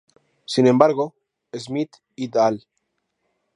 Sin embargo, Smith "et al.